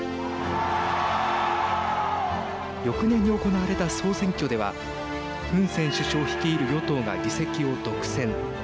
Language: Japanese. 翌年に行われた総選挙ではフン・セン首相率いる与党が議席を独占。